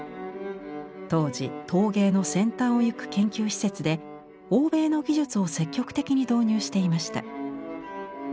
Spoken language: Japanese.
当時陶芸の先端をゆく研究施設で欧米の技術を積極的に導入していました。